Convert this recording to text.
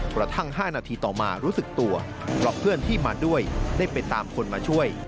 กระทั่ง๕นาทีต่อมารู้สึกตัวเพราะเพื่อนที่มาด้วยได้ไปตามคนมาช่วย